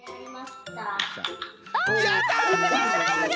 やった！